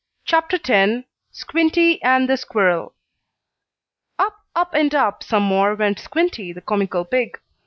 CHAPTER X SQUINTY AND THE SQUIRREL Up, up, and up some more went Squinty, the comical pig.